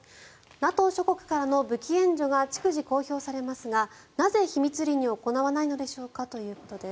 ＮＡＴＯ諸国からの武器援助が逐次公表されますがなぜ秘密裏に行わないのでしょうか？ということです。